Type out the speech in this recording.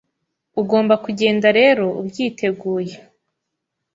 ugomba kugenda rero ubyiteguye.